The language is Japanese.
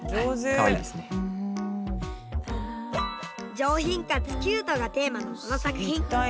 「上品かつキュート」がテーマのこの作品。